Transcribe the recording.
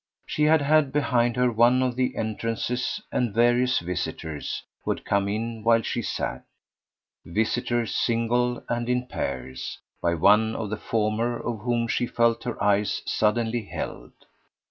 She had had behind her one of the entrances and various visitors who had come in while she sat, visitors single and in pairs by one of the former of whom she felt her eyes suddenly held.